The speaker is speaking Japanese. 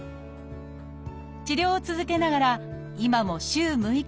治療を続けながら今も週６日